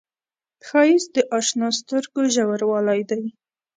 ښایست د نااشنا سترګو ژوروالی دی